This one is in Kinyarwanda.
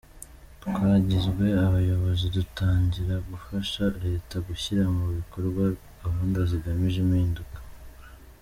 Twagizwe abayobozi dutangira gufasha leta gushyira mu bikorwa gahunda zigamije impinduka.